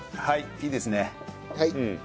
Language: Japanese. はい。